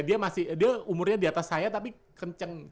dia masih dia umurnya di atas saya tapi kenceng